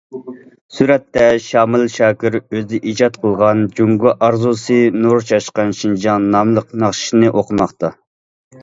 سۈرەتتە: شامىل شاكىر ئۆزى ئىجاد قىلغان« جۇڭگو ئارزۇسى نۇر چاچقان شىنجاڭ» ناملىق ناخشىنى ئوقۇماقتا.